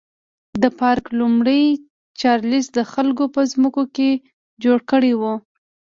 دا پارک لومړي چارلېز د خلکو په ځمکو کې جوړ کړی و.